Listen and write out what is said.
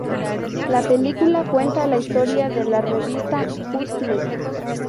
La película cuenta la historia de la revista Hustler.